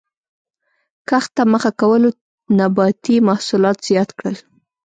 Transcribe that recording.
کښت ته مخه کولو نباتي محصولات زیات کړل